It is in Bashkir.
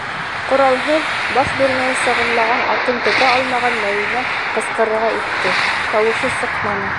Ҡоралһыҙ, баш бирмәй сығынлаған атын тота алмаған Мәҙинә ҡысҡырырға итте - тауышы сыҡманы.